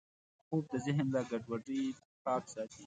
خوب د ذهن له ګډوډۍ پاک ساتي